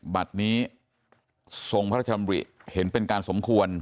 บัตรนี้ทรงพระราชดำริเห็นเป็นการสมควร